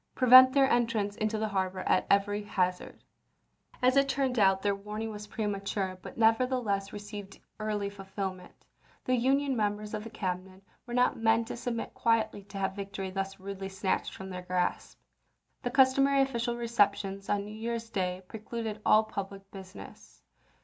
Prevent their entrance into the harbor at every hazard." As it turned out their warning was premature, but nevertheless received early fulfillment. The THE "STAK OF THE WEST" 93 Union members of the Cabinet were not men chap. vir. to submit quietly to have victory thus rudely snatched from their grasp. The customary official receptions on New Year's Day precluded all public business.